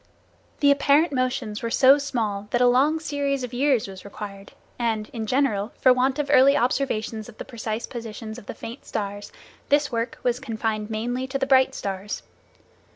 The apparent motions were so small that a long series of years was required and, in general, for want of early observations of the precise positions of the faint stars, this work was confined mainly to the bright stars.